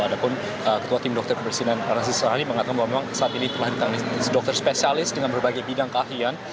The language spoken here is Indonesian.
ada pun ketua tim dokter kepresidenan raziali mengatakan bahwa memang saat ini telah ditangani dokter spesialis dengan berbagai bidang keahlian